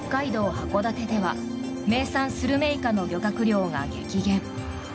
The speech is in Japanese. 函館では名産スルメイカの漁獲量が激減。